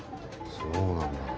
そうなんだ。